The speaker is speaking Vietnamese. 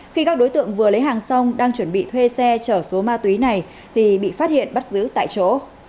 khi các đối tượng vừa lấy hàng xong đang chuẩn bị thuê xe chở số ma túy này thì bị phát hiện bắt giữ tại chỗ